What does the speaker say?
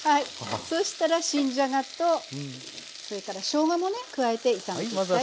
そしたら新じゃがとそれからしょうがもね加えて炒めていきたい